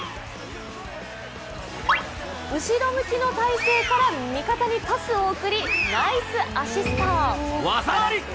後ろ向きの体勢から味方にパスを送りナイスアシスト。